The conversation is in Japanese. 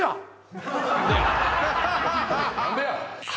「何でや！」